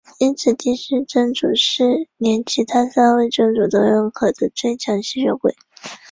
因此第四真祖是连其他三位真祖都认同的最强吸血鬼。